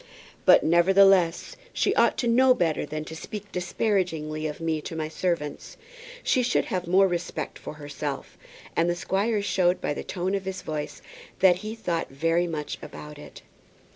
"But, nevertheless, she ought to know better than to speak disparagingly of me to my servants. She should have more respect for herself." And the squire showed by the tone of his voice that he thought very much about it.